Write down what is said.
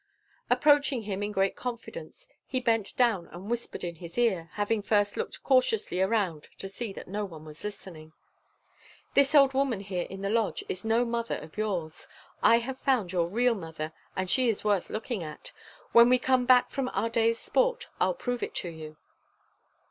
Approaching him in great confidence, he bent down and whispered in his ear, having first looked cautiously around to see that no one was listening: "This old woman here in the lodge is no mother of yours. I have found your real mother, and she is worth looking at. When we come back from our day's sport, I'll prove it to you."